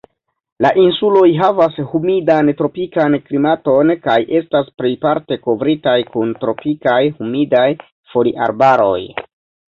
La insuloj havas humidan tropikan klimaton, kaj estas plejparte kovritaj kun tropikaj humidaj foliarbaroj.